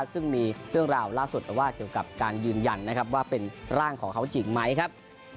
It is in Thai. ซึ่งมีเรื่องราวล่าสุดแต่ว่าเกี่ยวกับการยืนยันนะครับว่าเป็นร่างของเขาจริงไหมครับ